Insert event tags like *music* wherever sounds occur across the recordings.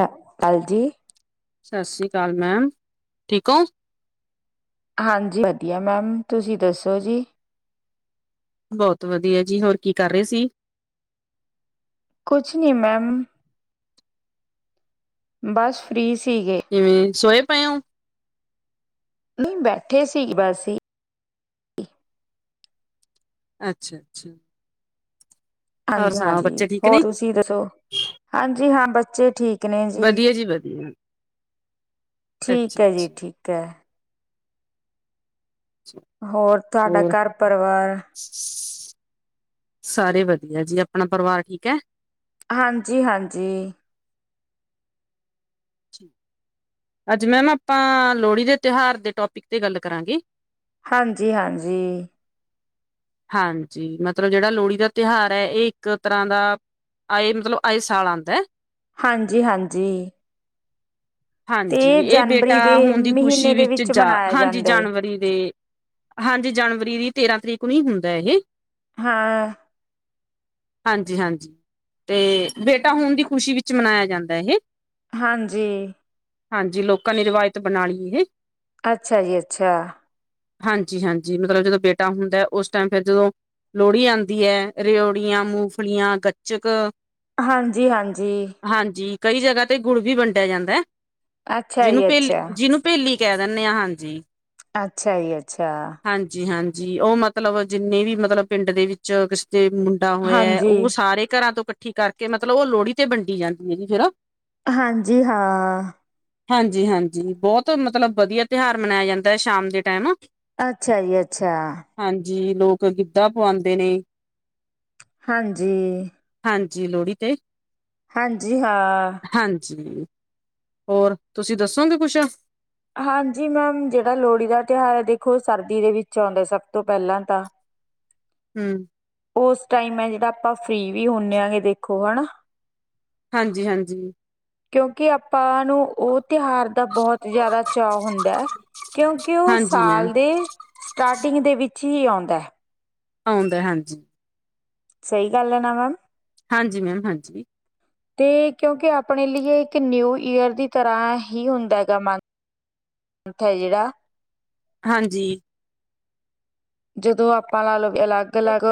ਹ- ਹਾਂਜੀ। ਸਤਿ ਸ੍ਰੀ ਅਕਾਲ। ਮੈਮ, ਠੀਕ ਹੋ। ਹਾਂਜੀ। ਵਧੀਆ ਮੈਮ, ਤੁਸੀਂ ਦੱਸੋ ਜੀ? ਬਹੁਤ ਵਧੀਆ ਜੀ, ਹੋਰ ਕੀ ਕਰ ਰਹੇ ਸੀ। ਕੁਝ ਨ ਮੈਮ ਬਸ ਫ੍ਰੀ ਸੀ। ਸੀ ਗਏ। ਕਿਵੇਂ ਸੋਏ ਪਾਇ ਹੋ। ਨਹੀਂ ਬੈਠੇ ਸੀ। ਬਸ ਹੀ ਅੱਛਾ- ਅੱਛਾ। ਹੋਰ ਹਾਂਜੀ ਸੁਣਾਓ -ਹਾਂਜੀ ਬੱਚੇ ਠੀਕ ਹੋਰ ਨੇ ਤੁਸੀਂ ਦੱਸੋ। ਹਾਂਜੀ। ਹਾਂ, ਬਸ ਜੇ ਠੀਕ ਵਧੀਆ ਜੀ, ਵਧੀਆ ਅੱਛਾ ਠੀਕ ਹੈ ਜੀ, ਅੱਛਾ ਠੀਕ ਹੈ। ਅੱਛਾ। ਹੋਰ ਤੁਹਾਡਾ ਹੋਰ ਘਰ ਪਰਿਵਾਰ ਸਾਰੇ ਵਧੀਆ ਜੀ, ਆਪਣਾ ਪਰਿਵਾਰ ਠੀਕ ਹੈ। ਹਾਂਜੀ- ਹਾਂਜੀ। ਅੱਜ ਮੈਮ ਆਪਾਂ ਲੋਹੜੀ ਦੇ ਤਿਉਹਾਰ ਦੇ ਟੋਪਿਕ ਤੇ ਗੱਲ ਕਰਾਂਗੇ। ਹਾਂਜੀ- ਹਾਂਜੀ। ਹਾਂਜੀ। ਮਤਲਬ ਜਿਹੜਾ ਲੋਹੜੀ ਦਾ ਤਿਉਹਾਰ ਹੈ। ਇਹ ਇੱਕ ਤਰ੍ਹਾਂ ਦਾ ਆਏ ਮਤਲਬ ਆਏ ਸਾਲ ਆਉਂਦਾ। ਹਾਂਜੀ -ਹਾਂਜੀ। ਤੇ ਹਾਂਜੀ, ਇਹ ਜਨਵਰੀ ਬੇਟਾ ਦੇ ਹੁਣ ਦੀ ਖ਼ੁਸ਼ੀ ਮਹੀਨੇ ਦੇ ਵਿੱਚ ਜਾ ਮਨਾਇਆ ਹਾਂਜੀ ਜਾਂਦਾ ਹੈ ਜਨਵਰੀ ਦੇ ਹਾਂਜੀ ਜਨਵਰੀ ਦੀ ਤੇਰਾਂ ਤਰੀਕ ਨਹੀ ਹੁੰਦਾ ਇਹ ਹਾਂ। ਹਾਂਜੀ-ਹਾਂਜੀ, ਤੇ ਬੇਟਾ ਹੋਣ ਦੀ ਖ਼ੁਸ਼ੀ ਵਿੱਚ ਮਨਾਇਆ ਜਾਂਦਾ ਇਹ। ਹਾਂਜੀ। ਹਾਂਜੀ ਲੋਕਾਂ ਨੇ ਰਵਾਇਤ ਬਣਾ ਲਈ ਇਹ ਅੱਛਾ ਜੀ ਅੱਛਾ। ਹਾਂਜੀ-ਹਾਂਜੀ, ਮਤਲਬ ਜਦੋਂ ਬੇਟਾ ਹੁੰਦਾ ਉਸ ਟਾਈਮ ਫਿਰ ਜਦੋਂ ਲੋਹੜੀ ਆਂਦੀ ਹੈ ਰੇਓੜੀਆਂ, ਮੂੰਗਫਲੀਆਂ, ਗੱਚਕ ਹਾਂਜੀ-ਹਾਂਜੀ। ਹਾਂਜੀ ਕਈ ਜਗ੍ਹਾ ਤੇ ਗੁੜ ਵੀ ਵੰਡਿਆ ਜਾਂਦਾ ਹੈ। ਅੱਛਾ ਜਿਹਨੂੰ ਜੀ ਪੇਲੀ, ਅੱਛਾ, ਜਿਹਨੂੰ ਪੇਲੀ ਕਹਿ ਦਿੰਦੇ ਹਾਂ, ਹਾਂਜੀ। ਅੱਛਾ ਜੀ ਅੱਛਾ। ਜੀ ਉਹ ਮਤ ਲਬ ਜਿੰਨੇ ਵੀ ਮਤਲਬ ਪਿੰਡ ਦੇ ਵਿੱਚ ਤੇ ਮੁੰਡਾ ਹੋਇਆ ਉਹ ਹਾਂਜੀ। ਸਾਰੇ ਘਰਾਂ ਤੋਂ ਕਠ ਕੱਠੀ ਕਰਕੇ ਮਤਲਬ ਉਹ ਲੋਹੜੀ ਤੇ ਵੰਡੀ ਜਾਂਦੀ ਹੈ ਜੀ *unintelligible* ਹਾਂਜੀ, ਹਾਂ। ਹਾਂਜੀ-ਹਾਂਜੀ ਬਹੁਤ ਮਤਲਬ ਵਧੀਆ ਤਿਉਹਾਰ ਮਨਾਇਆ ਜਾਂਦਾ ਹੈ ਸ਼ਾਮ ਦੇ ਟਾਈਮ ਅੱਛਾ ਜੀ ਅੱਛਾ। ਹਾਂਜੀ, ਲੋਕ ਗਿੱਧਾ ਪਆਉਂਦੇ ਨੇ। ਹਾਂਜੀ। ਹਾਂਜੀ, ਲੋਹੜੀ ਤੇ ਹਾਂਜੀ, ਹਾਂ। ਹਾਂਜੀ ਹੋਰ, ਤੁਸੀਂ ਦੱਸੋਗੇ ਕੁੱਛ? ਹਾਂਜੀ, ਮੈਮ ਜਿਹੜਾ ਲੋਹੜੀ ਦਾ ਤਿਉਹਾਰ ਹੈ ਦੇਖੋ ਸਰਦੀ ਦੇ ਵਿੱਚ ਆਉਂਦਾ ਸਭ ਤੋਂ ਪਹਿਲਾਂ ਤਾਂ। ਹਮ ਉਸ ਟਾਈਮ ਹੈ ਜਿਹੜਾ ਆਪਾਂ ਫਰੀ ਵੀ ਹੁੰਦੇ ਆ ਗ ਦੇਖੋ ਹਨਾ ਹਾਂਜੀ-ਹਾਂਜੀ। ਕਿਉਂਕਿ ਆਪਾਂ ਨੂੰ ਉਹ ਤਿਉਹਾਰ ਦਾ ਬਹੁਤ ਜ਼ਿਆਦਾ ਚਾਅ ਹੁੰਦਾ ਹੈ। ਕਿਉਂਕਿ ਉਹ ਹਾਂਜੀ ਮੈਮ ਸਾਲ ਦੇ ਸਟਾਰਟਿੰਗ ਦੇ ਵਿੱ ਚੀ ਆਉਂਦਾ। ਆਉਂਦਾ ਹਾਂਜੀ। ਸਹੀ ਗੱਲ ਹੈ ਨਾ ਮੈਮ। ਹਾਂਜੀ ਮੈਮ ਹਾਂਜੀ। ਤੇ ਕਿਉਂਕਿ ਆਪਣੇ ਲਈ ਇੱਕ ਨਿਊ ਈਅਰ ਦੀ ਤਰ੍ਹਾਂ ਹੀ ਹੁੰਦਾ ਹੈਗਾ ਮੰਥ ਹੈ ਜਿਹੜਾ। ਹਾਂਜੀ। ਜਦੋਂ ਆਪਾਂ ਲਾ ਲਓ ਅਲੱਗ ਅਲੱਗ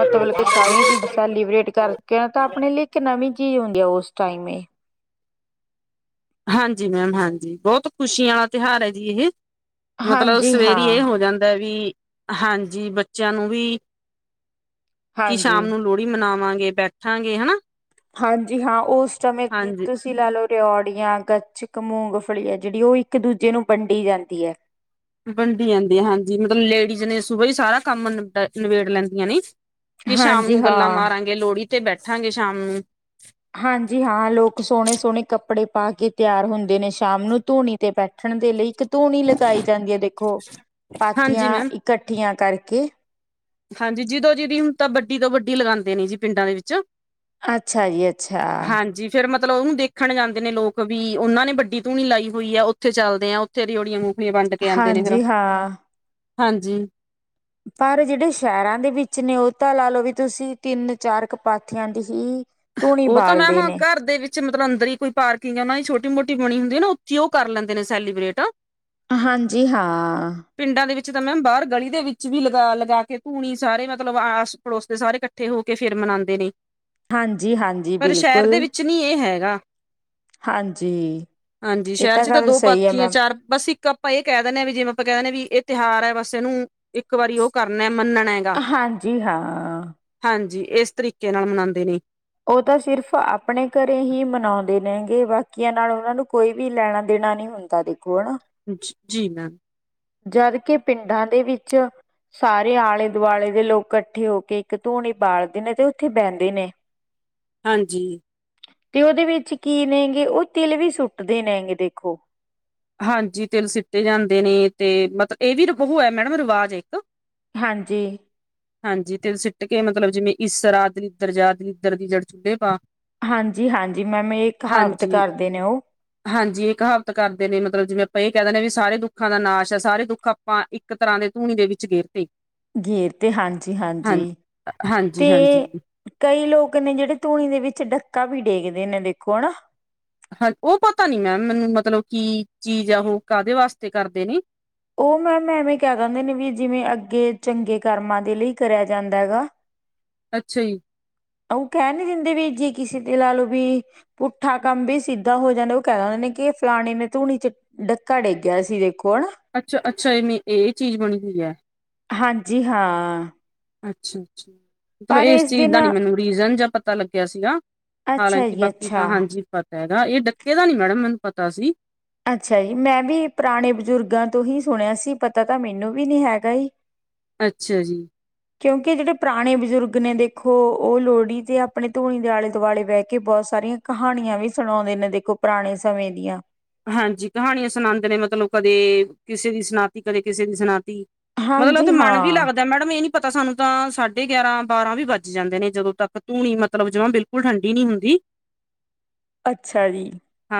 ਮਤਲਬ ਕਿ ਸਾਰੀਆਂ ਚੀਜ਼ਾਂ ਸੈਲੀਬ੍ਰੇਟ ਕਰਕੇ ਤਾਂ ਆਪਣੇ ਲਈ ਇੱਕ ਨਵੀਂ ਕੀ ਓ ਉਸ ਟਾਈਮ ਹਾਂਜੀ ਮੈਮ ਹਾਂਜੀ ਬਹੁਤ ਖੁਸ਼ੀਆਂ ਵਾਲਾ ਤਿਉਹਾਰ ਹੈ ਜੀ ਇਹ ਮਤਲਬ ਹਾਂਜੀ ਸਵੇਰੀ ਹਾਂ ਇਹ ਹੋ ਜਾਂਦਾ ਵੀ ਹਾਂਜੀ ਬੱਚਿਆਂ ਨੂੰ ਵੀ ਕਿ ਹਾਂਜੀ ਸ਼ਾਮ ਨੂੰ ਲੋਹੜੀ ਮਨਾਵ ਵਾਂਗੇ ਬੈਠਾਂਗੇ ਹਨਾ ਹਾਂਜੀ ਹਾਂ ਉਸ ਸਮੇਂ ਹਾਂਜੀ ਤੁਸੀਂ ਲੈ ਲਓ ਰਿਓੜੀਆਂ ਗੱਚਕ ਮੂੰਗਫਲੀ ਹੈ ਜਿਹੜੀ ਉਹ ਇੱਕ ਦੂਜੇ ਨੂੰ ਵੰਡੀ ਜਾਂਦੀ ਹੈ ਵੰਡੀ ਜਾਂਦੀ ਆ ਹਾਂਜੀ ਮਤਲਬ ਲੇਡੀਜ਼ ਨੇ ਸੁਬੵਾ ਹੀ ਸਾਰਾ ਕੰਮ ਨਿਬੇੜ ਲੈਂਦੀਆਂ ਨੇ ਕਿ ਸ਼ਾਮ ਹਾਂਜੀ ਨੂੰ ਗੱਲਾਂ ਹਾਂ ਮਾਰਾਂਗੇ ਲੋਹੜੀ ਥੇ ਬੈਠਾਂਗੇ ਸ਼ਾਮ ਨੂੰ ਹਾਂਜੀ ਹਾਂ ਲੋਕ ਸੋਹਣੇ ਸੋਹਣੇ ਕੱਪੜੇ ਪਾ ਕੇ ਤਿਆਰ ਹੁੰਦੇ ਨੇ ਸ਼ਾਮ ਨੂੰ ਧੂਣੀ ਤੇ ਬੈਠਣ ਦੇ ਲਈ ਇੱਕ ਧੂਣੀ ਲਗਾਈ ਜਾਂਦੀ ਹੈ ਦੇਖੋ ਹਾਂਜੀ ਪਾਥੀਆਂ ਮੈਮ। ਇਕੱਠੀਆਂ ਕਰਕੇ ਕੇ ਹਾਂਜੀ ਜਦੋਂ ਜਿਦੀ ਹੁਣ ਤਾਂ ਵੱਡੀ ਤੋਂ ਵੱਡੀ ਲਗਾਉਂਦੇ ਨੇ ਜੀ ਪਿੰਡਾਂ ਦੇ ਵਿੱਚ ਅੱਛਾ ਜੀ ਅੱਛਾ ਹਾਂਜੀ ਫੇਰ ਮਤਲਬ ਉਹਨੂੰ ਦੇਖਣ ਜਾਂਦੇ ਨੇ ਲੋਕ ਵੀ ਉਹਨਾਂ ਨੇ ਵੱਡੀ ਧੂਣੀ ਲਾਈ ਹੋਈ ਹੈ ਉੱਥੇ ਚੱਲਦੇ ਆ ਉੱਥੇ ਰਿਓੜੀਆਂ ਵੰਡ ਕੇ ਆਉਂਦੇ ਨੇ ਫੇਰ ਹਾਂਜੀ ਹਾਂ ਹਾਂਜੀ ਪਰ ਜਿਹੜੇ ਸ਼ਹਿਰਾਂ ਦੇ ਵਿੱਚ ਨੇ ਉਹ ਤਾਂ ਲਾ ਲਓ ਵੀ ਤੁਸੀਂ ਤਿੰਨ ਚਾਰ ਕਪਾਥੀਆਂ ਦੀ ਹੀ ਧੂਣੀ ਉਹ ਤਾਂ ਮੈਮ ਬਾਲਦੇ ਨੇ ਘਰ ਦੇ ਵਿੱਚ ਮਤਲਬ ਅੰਦਰ ਹੀ ਕੋਈ ਪਾਰਕਿੰਗ ਉਹਨਾ ਹੀ ਛੋਟੀ ਮੋਟੀ ਹੋਣੀ ਹੁੰਦੀ ਆ ਨਾ ਉੱਥ ਉਹ ਕਰ ਲੈਂਦੇ ਨੇ ਸੈਲੀਬ੍ਰੇਟ ਆ ਹਾਂਜੀ ਹਾਂ ਦੇ ਵਿੱਚ ਤਾਂ ਮੈਮ ਬਾਹਰ ਗਲੀ ਦੇ ਵਿੱਚ ਵੀ ਲਗਾ ਲਗਾ ਕੇ ਧੂਣੀ ਸਾਰੇ ਮਤਲਬ ਆਸ ਪੜੋਸ ਦੇ ਸਾਰੇ ਇਕੱਠੇ ਹੋ ਕੇ ਫਿਰ ਮਨਾਉਂਦੇ ਨੇ ਹਾਂਜੀ ਹਾਂਜੀ ਬਿਲਕੁਲ ਜਾ ਹਾਂਜੀ ਹਾਂਜੀ ਇਹ ਸ਼ਹਿਰ ਚ ਤਾਂ ਗੱਲ ਦੋ ਸਹੀ ਹੈ ਪਾਥੀੀਆਂ ਮੈਮ ਚਾਰ ਬਸ ਇੱਕ ਆਪਾਂ ਇਹ ਕਹਿ ਦਿੰਨਦੇ ਹਾਂ ਵੀ ਜਿਵੇਂ ਆਪਾਂ ਕਹਿ ਦਿੰਦੇਾਂ ਵੀ ਤਿਉਹਾਰ ਹੈ ਬਸ ਇਹਨੂੰ ਇੱਕ ਵਾਰੀ ਉਹ ਕਰਨਾ ਮੰਨਣਾ ਹੈਗਾ ਹਾਂਜੀ ਹਾਂ ਹਾਂਜੀ ਇਸ ਤਰੀਕੇ ਨਾਲ ਮਨਾਉਂਦੇ ਨੇ ਉਹ ਤਾਂ ਸਿਰਫ਼ ਆਪਣੇ ਘਰੇ ਹੀ ਮਨਾਉਂਦੇ ਨੇਗੇ ਬਾਕੀਆਂ ਨਾਲ ਉਹਨਾਂ ਨੂੰ ਕੋਈ ਵੀ ਲੈਣਾ ਦੇਣਾ ਨਹੀਂ ਹੁੰਦਾ ਦੇਖ ਣ ਜ- ਜੀ ਮੈਮ ਜਦ ਕਿ ਪਿੰਡਾਂ ਦੇ ਵਿੱਚ ਸਾਰੇ ਆਲੇ ਦੁਆਲੇ ਦੇ ਲੋਕ ਇਕੱਠੇ ਹੋ ਕੇ ਇੱਕ ਧੂਣੀ ਬਾਲਦੇ ਨੇ ਤੇ ਉੱਥੇ ਬਹਿੰਦੇ ਨੇ ਹਾਂਜੀ ਤੇ ਉਹਦੇ ਵਿੱਚ ਕੀ ਨੇਗੇ ਉਹ ਤਿਲ ਵੀ ਸੁੱਟਦੇ ਨੇ ਹੈਗੇ ਦੇਖੋ ਹਾਂਜੀ ਤੇਿਲ ਸਿੱਤੇ ਜਾਂਦੇ ਨੇ ਤੇ ਮਤਲਬ ਇਹ ਵੀ ਹੋਇਆ ਮੈਡਮ ਰਿਵਾਜ ਇੱਕ ਹਾਂਜੀ ਹਾਂਜੀ ਤੇ ਸਿੱਟ ਕੇ ਮਤਲਬ ਜਿਵੇਂ ਇਸਰ ਦਲਿੱ ਦ ਜਾ ਦਲਿੱਦਰਰ ਦੀ ਜੜ ਚੁੱਲੇ ਪਾ ਹਾਂਜੀ ਹਾਂਜੀ ਮੈਮ ਇਹ ਕਹਾਵਤ ਹਾਂਜੀ ਕਰਦੇ ਨੇ ਉਹ ਹਾਂਜੀ ਇਹ ਕਹਾਵਤ ਕਰਦੇ ਨੇ ਮਤਲਬ ਜਿਵੇਂ ਆਪਾਂ ਇਹ ਕਹਿ ਦਿੰਦੇ ਹ ਵੀ ਸਾਰੇ ਦੁੱਖਾਂ ਦਾ ਨਾਸ਼ ਹੈ ਸਾਰੇ ਦੁੱਖ ਆਪਾਂ ਇੱਕ ਤਰ੍ਹਾਂ ਦੇ ਧੂਣੀ ਦੇ ਵਿੱਚ ਗੇਰਤੇ ਗੇਰ ਤੇ ਹਾਂਜੀ ਹਾਂਜੀ ਹਾਂ ਤੇ ਹਾਂਜੀ ਹਾਂਜੀ ਕਈ ਲੋਕ ਨੇ ਜਿਹੜੇ ਧੂਣੀ ਦੇ ਵਿੱਚ ਡੱਕਾ ਵਿ ਟੇਕਦੇ ਨੇ ਦੇਖੋ ਹ ਨਾ ਹਾਂ ਉਹ ਪਤਾ ਨੀ ਮੈਮ ਮੈਨੂੰ ਮਤਲਬ ਕੀ ਚੀਜ਼ ਆ ਉਹ ਕਾਹਦੇ ਵਾਸਤੇ ਕਰਦੇ ਨੇ ਉਹ ਮੈਮ ਐਵੇਂ ਕਹਿ ਦਿੰਦੇ ਨੇ ਵੀ ਜਿਵੇਂ ਅੱਗੇ ਚੰਗੇ ਕਰਮਾਂ ਦੇ ਲਈ ਕਰਿਆ ਜਾਂਦਾ ਹੈਗਾ ਅੱਛਾ ਜੀ ਉਹ ਕਹਿਣ ਨੀ ਦਿੰਦੇ ਵੀਰ ਜੀ ਕਿਸੇ ਤੇ ਲਾ ਲਓ ਵੀ ਪੁੱਠਾ ਕੰਮ ਵੀ ਸਿੱਧਾ ਹੋ ਜਾਂਦਾ ਉਹ ਕਹਿ ਦ ਹੁੰਦੇ ਨੇ ਕਿ ਫਲਾਣੀ ਨੇ ਧੂਣੀ ਚ ਡੱਕਾ ਡੇਗਿਆ ਸੀ ਦੇਖੋ ਹਣ ਅੱਾ ਅੱਛਾ ਜਵੇਂ ਇਹ ਚੀਜ਼ ਬਣੀ ਹੋਈ ਹੈ ਹਾਂਜੀ ਹਾਂ ਅੱਛਾ *unintelligible* ਮਤਲਬ ਪਰ ਇਸ ਚੀਜ਼ ਦਿਨ ਦਾ ਨੀ ਮੈਨੂੰ ਰੀਜ਼ਨ ਜਾਂ ਪਤਾ ਪਤਾ ਲੱਗਿਆ ਸੀਗਾ ਅੱਛਾ ਹਾਲਾਂਕਿ ਜੀ ਬਾਕੀ ਅੱਛਾ ਤਾਂ ਹਾਂਜੀ ਹੈਗਾ ਇਹ ਡੱਕੇ ਦਾ ਨੀ ਮੈਡਮ ਮੈਨੂੰ ਪਤਾ ਸੀ ਅੱਛਾ ਜੀ ਮੈਂ ਵੀ ਪੁਰਾਣੇ ਬਜ਼ੁਰਗਾਂ ਤੋਂ ਹੀ ਸੁਣਿਆ ਸੀ ਪਤਾ ਤਾਂ ਮੈਨੂੰ ਵੀ ਨਹੀਂੀ ਹੈਗਾ ਸੀ ਅੱਛਾ ਜੀ ਕਿਉਂਕਿ ਜਿਹੜੇ ਪੁਰਾਣੇ ਬਜ਼ੁਰਗ ਨੇ ਦੇਖੋ ਉਹ ਲੋਹੜੀ ਤੇ ਆਪਣੇ ਧੂਣੀ ਦੇ ਆਲੇ ਦੁਆਲੇ ਬਹਿ ਕੇ ਬਹੁਤ ਸਾਰੀਆਂ ਕਹਾਣੀਆਂ ਵੀ ਸੁਣਾਉਂਦੇ ਨੇ ਦੇਖੋ ਪੁਰਾਣੇ ਸਮੇਂ ਦੀਆਂ ਹਾਂਜੀ ਕਹਾਣੀਆਂ ਸੁਣਾਉਂਦੇ ਨੇ ਮਤਲਬ ਕਦੇ ਕਿਸੇ ਦੀ ਸਨਾਤੀ ਕਦੇ ਕਿਸੇ ਦੀ ਸਨਾਤੀ ਮਤਲਬ ਉਹ ਹਾਂਜੀ ਤੇ ਮਨ ਵੀ ਹਾਂ ਲੱਗਦਾ ਮੈਡਮ ਇਹ ਨੀ ਪਤਾ ਸਾਨੂੰ ਤਾਂ ਸਾਢੇ ਗਿਆਰਾਂ ਬਾਰਾਂ ਵੀ ਵੱਜ ਜਾਂਦੇ ਨੇ ਜਦੋਂ ਤੱਕ ਧੂਣੀ ਮਤਲਬ ਜਮਾ ਬਿਲਕੁਲ ਠੰਡੀ ਨੀ ਹੁੰਦੀ ਅੱਛਾ ਜੀ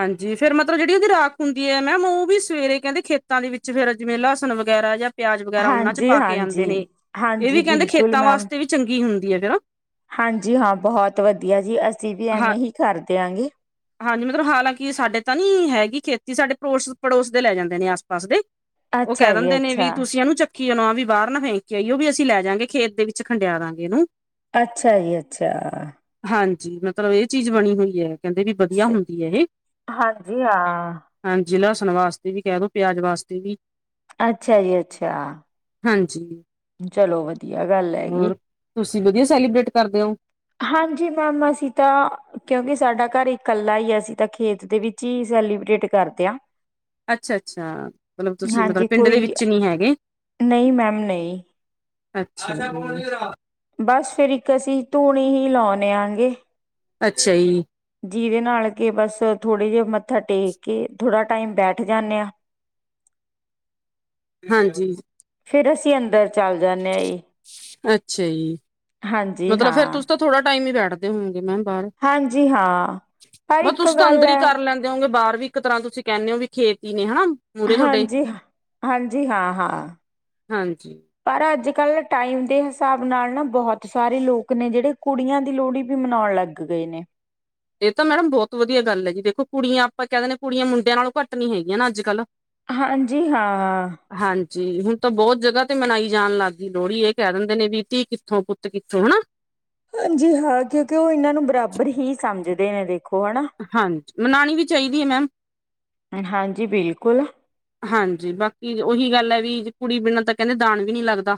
ਹਾਂਜੀ ਫਿਰ ਮਤ ਮਤਲਬ ਜਿਹੜੀ ਉਹਦੀ ਰਾਖ ਹੁੰਦੀ ਹੈ ਮੈ ਉਹ ਵੀ ਸਵੇਰੇ ਕਹਿੰਦੇ ਖੇਤਾਂ ਦੇ ਵਿੱਚ ਫੇਰ ਜਿਵੇਂ ਲਸਣ ਵਗੈਰਾ ਜਾਂ ਪਿਆਜ ਵਗੈਰਾ ਉਹਨਾਂ ਚ ਹਾਂਜੀ ਪਾ ਕੇ ਆਉਂਦੇ ਹਾਂਜੀ ਨੇ ਇਹ ਹਾਂਜੀ ਵੀ ਕਹਿੰਦੇ ਬਿਲਕੁਲ ਖੇਤਾਂ ਮੈਮ ਵਾਸਤੇ ਵੀ ਚੰਗੀ ਹੁੰਦੀ *unintelligible* ਹਾਂਜੀ ਹਾਂ ਬਹੁਤ ਵਧੀਆ ਜੀ ਅਸੀਂ ਵੀ ਹਾਂ ਐਵੇਂ ਹੀ ਕਰਦੇਿਆਂ ਗੇ ਤਾ ਨੀ ਹੈਗੀ ਖੇਤੀ ਸਾਡੇ ਪੜੋਸ ਪੜੋਸ ਦੇ ਲੈ ਜਾਂਦੇ ਨੇ ਆਸ ਪਾਸ ਦੇ ਉਹ ਅੱਛਾ ਕਹਿ ਜੀ ਦਿੰਦੇ ਨੇ ਵੀ ਅੱਛਾ ਤੁਸੀਂ ਇਹਨੂੰ ਚੱਕ ਕਿ ਉਹੂੰ ਆ ਵੀ ਬਾਹਰ ਨਾ ਫੇਕੇ ਕੇ ਆਈ ਉਹ ਵੀ ਅਸੀਂ ਲੈ ਜਾਾਂਗੇ ਖੇਤ ਦੇ ਵਿੱਚ ਖੰਡਿਆ ਦਾਂਗੇ ਇਹਨੂੰ ਅੱਛਾ ਜੀ ਅੱਛਾ। ਹਾਂਜੀ ਮਤਲਬ ਇਹ ਚੀਜ਼ ਬਣੀ ਹੋਈ ਹੈ। ਕਹਿੰਦੇ ਵੀ ਵਧੀਆ ਹੁੰਦੀ ਹੈ ਇਹ ਜੀ ਹਾ ਜੇ ਲਸਣ ਵਾਸਤੇ ਵੀ ਕਹਿ ਦੋ, ਪਿਆਜ ਵਾਸਤੇ ਵੀ ਅੱਛਾ ਜੀ ਅੱਛਾ। ਹਾਂਜੀ। ਚਲੋ ਵਧੀਆ ਗੱਲ ਹੈਗੀ। ਹੋਰ ਤੁਸੀਂ ਵਧੀਆ ਸੈਲੀਬ੍ਰੇਟ ਕਰਦੇ ਓ? ਹਾਂਜੀ ਮੈਮ ਅਸੀਂ ਤਾਂ, ਕਿਉਂਕਿ ਸਾਡਾ ਘਰ ਇਕ ਕਲਾ ਹੀ ਆ, ਅਸੀਂ ਤਾਂ ਖੇਤ ਦੇ ਵਿਚ ਹੀ ਸੈਲੀਬ੍ਰੇਟ ਕਰਦੇ ਹ। ਅੱਛਾ, ਅੱਛਾ ਮਤਲਬ ਤੁਸੀਂ, ਮਤਲਬ ਪਿੰਡ ਦੇ ਕੋਈ ਵਿੱਚ ਨੀ ਹੈਗੇ। ਨਹੀਂ ਮੈਮ ਨਹੀਂ ਅੱਛਾ ਮੈਂ *inaudible* ਬਸ ਫਿਰ, ਇੱਕ ਅਸੀਂ ਧੂਣੀ ਹੀ ਲਾਓਨਿਆਂਗੇ। ਅੱਛਾ ਜੀ। ਜੀਹਦੇ ਨਾਲ ਕਿ ਬਸ ਥੋੜੇ ਜਿਹੇ ਮੱਥਾ ਟੇਕ ਕੇ, ਥੋੜ੍ਹਾ ਟਾਈਮ ਬੈਠ ਜਾਂਨੇ ਆਂ। ਹਾਂਜੀ। ਫਿਰ ਅਸੀਂ ਅੰਦਰ ਚੱਲ ਜਾਂਦੇ ਆਈ *inaudible* ੱਛ। *unintelligible* ਹਾਂਜੀ ਹਾਂ। ਟਾਈਮ ਹੀ ਬੈਠਦੇ ਹੋਣਗੇ ਮੈਮ *unintelligible* ਹਾਂਜੀ ਹਾਂ, ਪਰ ਮ ਇੱਕ ਤੁਸੀਂ ਤਾਂ ਗੱਲ ਅੰਦਰ ਹੀ ਹੈ। ਕਰ ਲੈਂਦੇ ਹੋਗੇ ਬਾਹਰ ਵੀ ਇੱਕ ਤਰ੍ਹਾਂ ਤੁਸੀਂ ਕਹਿੰਨੇ ਓ, ਵੀ ਖੇਤੀ ਨੇ ਹਨਾ। ਮੂਹਰੇ ਤੁਹਾਡੇ ਹਾਂਜੀ, ਹ ਹਾਂਜੀ, ਹਾਂ- ਹਾਂ ਹਾਂਜੀ ਪਰ ਅੱਜ ਕੱਲ ਟਾਈਮ ਦੇ ਹਿਸਾਬ ਨਾਲ ਨਾ, ਬਹੁਤ ਸਾਰੇ ਲੋਕ ਨੇ ਜਿਹੜੇ, ਕੁੜੀਆਂ ਦੀ ਲੋਹੜੀ ਵੀ ਮਨਾਉਣ ਲੱਗ ਗਏ ਨੇ। ਇਹ ਤਾਂ ਮੈਡਮ ਬਹੁਤ ਵਧੀਆ ਗੱਲ ਹੈ ਜੀ, ਦੇਖੋ ਕੁੜੀਆਂ ਆਪਾਂ ਕਹਿ ਦਿੰਦੇ ਕੁੜੀਆਂ ਮੁੰਡਿਆਂ ਨਾਲੋਂ ਘੱਟ ਨ ਹੈਗੀਆਂ ਨਾ, ਅੱਜ ਕੱਲ੍ਹ ਹਾਂਜੀ ਹਾਂ। ਜੀ ਹੁਣ ਤਾਂ ਬਹੁਤ ਜਗਾ ਤੇ ਮਨਾਈ ਜਾਣ ਲੱਗ ਗਈ ਲੋਹੜੀ, ਇਹ ਕਹਿ ਦਿੰਦੇ ਨੇ ਵੀ ਧੀ, ਕਿੱਥੋਂ ਪੁੱਤ ਕਿੱਥੋਂ ਹਨਾ। ਹਾਂਜੀ ਹਾਂ ਦੇ ਨੇ ਦੇ। *inaudible* ਹਾਂਜੀ ਮਨਾਣੀ ਵੀ ਚਾਹੀਦੀ ਆ ਮੈਮ, ਹਾਂਜੀ ਬਿਲਕੁਲ ਹਾਂਜੀ ਬਾਕੀ ਉਓਹੀ ਗੱਲ ਹੈ ਵੀ ਕੁੜੀ ਬਿਨਾਂ ਤਾਂ ਕਹਿੰਦੇ, ਦਾਨ ਵੀ ਨਹੀਂ ਲੱਗਦਾ।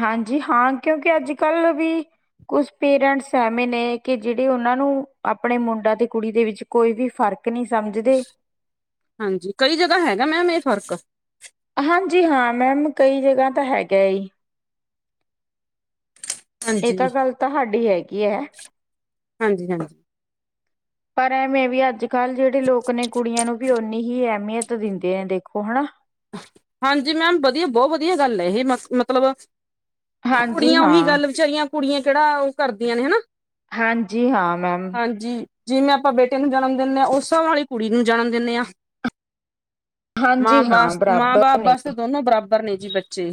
ਹਾਂਜੀ ਹਾਂ ਕਿਉਂਕਿ ਅੱਜ -ਕੱਲ ਵੀ ਕੁਛ ਪੇਰੈਂਟਸ ਐਵੇਂ ਨੇ ਕਿ, ਜਿਹੜੇ ਉਹਨਾਂ ਨੂੰ ਆਪਣੇ ਮੁੰਡਾ ਤੇ ਕੁੜੀ ਦੇ ਵਿੱਚ ਕੋਈ ਵੀ ਫ਼ਰਕ ਨਹੀਂ ਸਮਝਦੇ ਹਾਂਜੀ ਕਈ ਜਗਾ ਹੈਗਾ ਮੈਮ, ਇਸ ਫ਼ਰਕ। ਹਾਂਜੀ ਹਾਂ ਮੈਮ ਕਈ ਜਗ੍ਹਾ ਤਾਂ ਤੈੰ ਹੈਗਾ ਈ। ਇਹ ਹਾਂਜੀ ਤਾਂ ਗੱਲ, ਤਹਾਡੀ ਹੈਗੀ ਐ। ਹਾਂਜੀ, ਹਾਂਜੀ। ਪਰ ਐਵੇਂ ਵੀ ਅੱਜ ਕੱਲ੍ਹ ਜਿਹੜੇ ਲੋਕ ਨੇ, ਕੁੜੀਆਂ ਨੂੰ ਵੀ ਓਨੀ ਹੀ ਅਹਿਮੀਅਤ ਦਿੰਦੇ ਆ ਦੇਖੋ ਹਨਾ ਹਾਂਜੀ ਮੈਮ, ਵਧੀਆ ਬਹੁਤ ਵਧੀਆ ਗੱਲ ਹੈ, ਇਹ ਮ ਮਤਲਬ ਹਾਂਜੀ ਕੁੜੀਆਂ ਉਹੀ ਹਾਂ ਗੱਲ, ਵਿਚਾਰੀਆਂ ਕੁੜੀਆਂ ਕਿਹੜਾ ਉਹ ਕਰਦੀਆਂ ਨੇ ਹਨਾ। ਹਾਂਜੀ ਹਾਂ, ਮੈਮ ਹਾਂਜੀ ਜਿਵੇਂ ਆਪਾਂ ਬੇਟੇ ਨੂੰ ਜਨਮ ਦਿੰਦੇ ਹਾਂ ਉਸ ਸਾਭ ਨਾਲ ਕੁੜੀ ਨੂੰ ਜਨਮ ਦਿੰਦੇ ਹਾਂ। ਮਾਂ ਹਾਂਜੀ, ਹਾਂ ਬਾਸ ਮਾਂ ਬਰਾਬਰ ਬਾਪ ਨੇ ਵਾਸਤੇ ਦੋਨੋ ਬਰਾਬ ਬਰ ਨੇ ਜੀ ਬੱਚੇ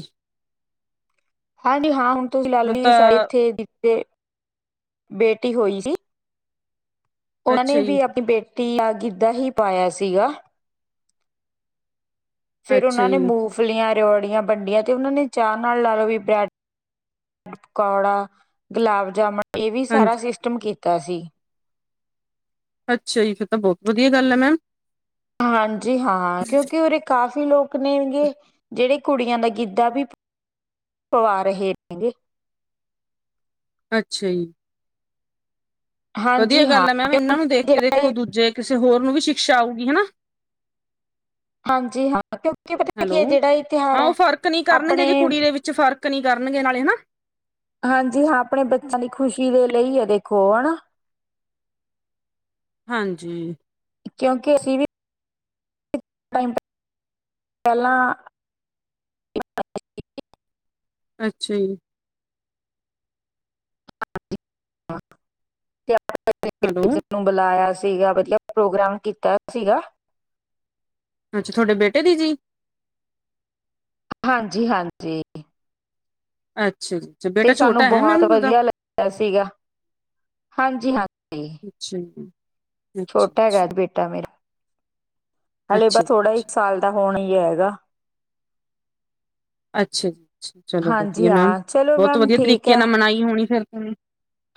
ਹਾਂਜੀ ਹਾਂ ਹੁਣ ਤੁਸੀਂ ਲਾ ਲਓ ਹੁਣ ਜ ਤਾਂ ਇੱਥੇ ਜੇ ਬੇਟੀ ਹੋਈ ਸੀ। ਉਹਨਾਂ ਨੇ ਅੱਛਾ ਜੀ ਵੀ ਆਪਣੀ ਬੇਟੀ ਤੀ ਗਿੱਧਾ ਹੀ ਪਾਇਆ ਸੀਗਾ। ਫੇਰ ਅੱਛਾ ਉਹਨਾਂ ਨੇ ਜੀ, ਮੂੰਫਲੀਆਂ ਰਓੜੀਆਂ ਵੰਡੀਆਂ ਤੇ ਉਹਨਾ ਨੇ ਚਾਹ ਨਾਲ ਲਾ ਲਓ ਵੀ ਬ੍ਰੈਡ- ਪਕੌੜਾ ਗੁਲਾਬ- ਜਾਮਨ ਇਹ ਵੀ ਸਾਰਾ ਹਾਂਜੀ ਸਿਸਟਮ ਕੀ ਕੀਤਾ ਸੀ। ਅੱਛਾ ਜੀ ਫਿਰ ਤਾਂ ਬਹੁਤ ਵਧੀਆ ਗੱਲ ਐ, ਮੈਮ ਹਾਂਜੀ ਹਾਂ, ਕਿਉਂਕਿ ਉਰੇ ਕਾਫੀ ਕਾਫੀ ਲੋਕ ਨੇਗੇ ਜਿਹੜੇ ਕੁੜੀਆਂ ਦਾ ਗਿੱਧਾ ਵੀ ਪਵਾ ਰਹੇ ਨੇਗੇ। ਅੱਛਾ ਜੀ, ਵਧੀਆ ਹਾਂਜੀ ਹਾਂ ਗੱਲ ਹੈ ਮੈਮ ਇਹਨਾਂ ਨੂੰ ਦੇਖ ਕਿਉਂਕਿ ਕੇ ਜਿਹੜਾ ਦੇਖੋ ਇਹ ਦੂਜੇ ਕਿਸੇ ਹੋਰ ਨੂੰ ਵੀ ਸ਼ਿਕਸ਼ਾ ਆਊਗੀ ਹਨਾ। ਹਾਂਜੀ ਹਾਂ, ਕਿਉਂਕਿ ਪਤਾ ਹੈਲੋ। ਕੀ ਜਿਹੜਾ ਤਿਉਹਾਰ ਹਾਂ ਹੈ ਆਪਣੇ ਫਰਕ ਨੀ ਕਰਨਗੇ ਨਾਲੇ ਹਨਾ ਹਾਂਜੀ ਹਾਂ ਆਪਣੇ ਬੱਚਿਆਂ ਦੀ ਖੁਸ਼ੀ ਦੇ ਲਈ ਆ ਦੇਖੋ ਹੈਨਾ ਹਾਂਜੀ, ਕਿਉਂਕਿ ਅਸੀਂ ਵੀ ਪਹਿਲਾਂ *inaudible* ਅੱਛਾ ਜੀ, ਹ *unintelligible* ਹੈਲੋ। *inaudible* ਨੂੰ ਬੁਲਾਇਆ ਸੀ। ਸੀਗਾ ਵਧੀਆ ਪ੍ਰੋਗਰਾਮ ਕੀਤਾ ਸੀਗਾ। ਅੱਛਾ ਤੁਹਾਡੇ ਬੇਟੇ ਦੀ ਜੀ ਹਾਂਜੀ, ਹਾਂਜੀ। ਅੱ ਤੇ ਸਾਨੂੰ ਬਹੁਤ ਵਧੀਆ ਲੱਗਿਆ ਸੀਗਾ, ਹਾਂਜੀ -ਹਾਂਜੀ। ਅੱਛਾ ਜੀ। ਛੋਟਾ ਹੈਗਾ ਅੱਛਾ-ਅੱਛਾ, ਅ ਬੇਟਾ ਮੇਰਾ ਹਲੇ ਬ ਅੱਛਾ ਅੱਛਾ ਥੋੜ੍ਹਾ ਜੀ, ਇੱਕ ਸਾਲ ਦਾ ਹੁਣ ਹੀ ਹੈਗਾ ਅੱਛਾ ਜੀ ਚਲੋ ਹਾਂਜੀ ਵਧੀਆ ਮੈਮ ਹਾਂ ਚਲੋ ਬਹੁਤ ਮੈਮ ਵਧੀਆ ਠੀਕ ਤਰੀਕੇ ਹੈ ਨਾਲ ਮਨਾਈ ਹੋਣੀ ਫਿਰ ਹਮ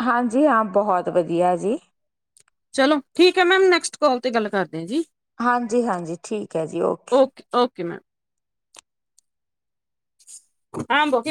ਹਾਂਜੀ ਹਾਂ ਬਹੁਤ ਵਧੀਆ ਜੀ ਚਲੋ ਠੀਕ ਹੈ ਮੈਮ ਨੈਕਸਟ ਕਾਲ ਤੇ ਗੱਲ ਕਰਦੇ ਹ ਜੀ ਹਾਂਜੀ ਹਾਂਜੀ ਠੀਕ ਹੈ ਜੀ ਓਕੇ ਓਕੇ ਮੈਮ ਹਾਂ ਬੋ